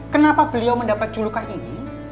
kenapa beliau mendapat julukan ini